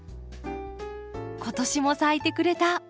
今年も咲いてくれた！